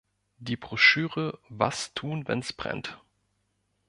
Die Broschüre "Was tun wenn’s brennt?